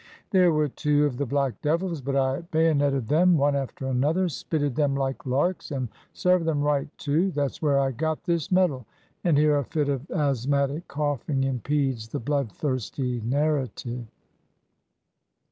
"There were two of the black devils, but I bayoneted them one after another spitted them like larks; and serve them right, too. That's where I got this medal;" and here a fit of asthmatic coughing impedes the bloodthirsty narrative.